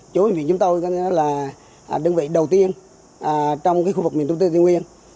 chỗ bệnh viện chúng tôi là đơn vị đầu tiên trong khu vực miền tông tây tuyên nguyên